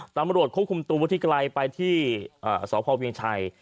ตำรวจคุมตัวที่ไกลไปที่สพวิงชัย